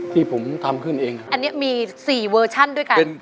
ที่ผมทำขึ้นเองอันนี้มีสี่เวอร์ชั่นด้วยกัน